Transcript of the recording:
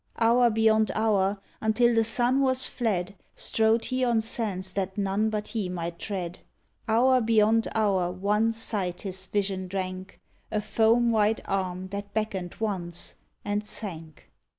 Hour beyond hour, until the sun was fled, Strode he on sands that none but he might tread; Hour beyond hour one sight his vision drank — A foam white arm that beckoned once, and sank.